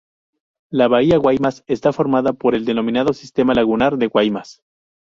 La bahía de Guaymas esta formada por el denominado sistema lagunar de Guaymas.